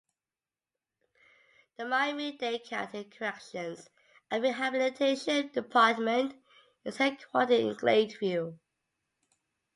The Miami-Dade County Corrections and Rehabilitation Department is headquartered in Gladeview.